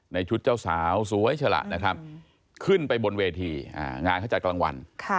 ชุดเจ้าสาวสวยชะละนะครับขึ้นไปบนเวทีงานเขาจัดกลางวัน